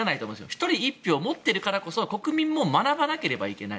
１人１票持っているからこそ国民も学ばなければいけない。